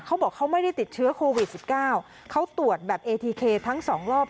เขาบอกเขาไม่ได้ติดเชื้อโควิด๑๙เขาตรวจแบบเอทีเคทั้งสองรอบ